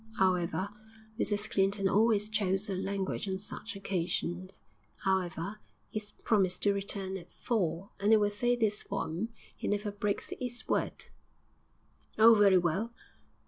'Owever' Mrs Clinton always chose her language on such occasions ''owever, 'e's promised to return at four, and I will say this for 'im, he never breaks 'is word.' 'Oh, very well!'